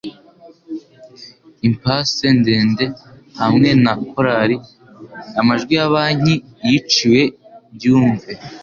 Impasse ndende hamwe na korari. Amajwi ya banki yiciwe byumve